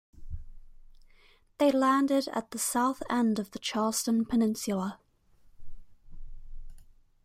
They landed at the south end of the Charlestown peninsula.